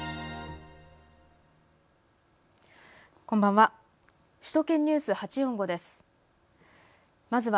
こんばんは。